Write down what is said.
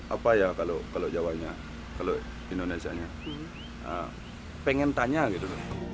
apa ya kalau jawanya kalau indonesia nya pengen tanya gitu